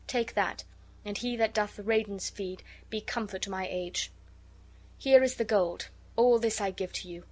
Take that, and He that doth the ravens feed be comfort to my age! Here is the gold. All this I give to you.